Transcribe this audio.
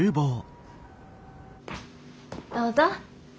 どうぞ。